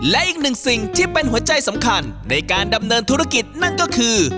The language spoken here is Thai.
และอีกหนึ่งสิ่งที่เป็นหัวใจสำคัญในการดำเนินธุรกิจนั่นก็คือ